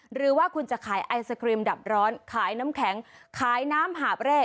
หรือว่าคุณจะขายไอศครีมดับร้อนขายน้ำแข็งขายน้ำหาบเร่